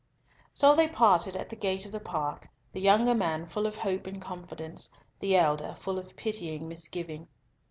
So they parted at the gate of the park, the younger man full of hope and confidence, the elder full of pitying misgiving.